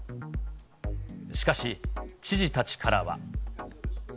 しかし、知事たちからは。